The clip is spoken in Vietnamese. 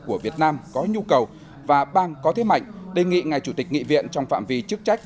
của việt nam có nhu cầu và bang có thế mạnh đề nghị ngài chủ tịch nghị viện trong phạm vi chức trách